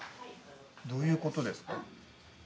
どういうことですか？